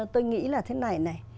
tôi nghĩ là thế này này